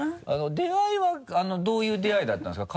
出会いはどういう出会いだったんですか？